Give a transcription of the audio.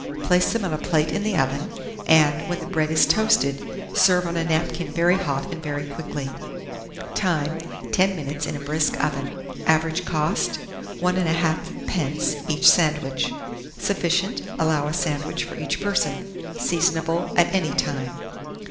Place them on a plate in the oven, and, when the bread is toasted, serve on a napkin very hot and very quickly. Time. 10 minutes in a brisk oven. Average cost, 1 1/2d. each sandwich. Sufficient. Allow a sandwich for each person. Seasonable at any time.